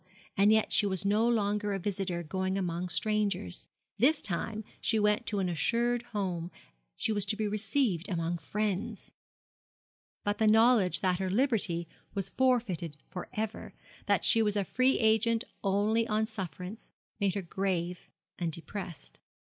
And yet she was no longer a visitor going among strangers this time she went to an assured home, she was to be received among friends. But the knowledge that her liberty was forfeited for ever, that she was a free agent only on sufferance, made her grave and depressed.